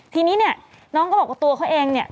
ทีนี้เนี่ยน้องก็บอกว่าตัวเขาเองเนี่ย